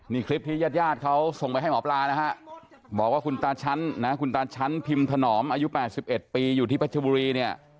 นี่คลิปที่ญาติญาติเขาส่งไปให้หมอปลานะฮะบอกว่าคุณตาชั้นนะคุณตาชั้นพิมพ์ถนอมอายุ๘๑ปีอยู่ที่พัชบุรีเนี่ย